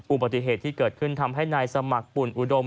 อุบัติเหตุที่เกิดขึ้นทำให้นายสมัครปุ่นอุดม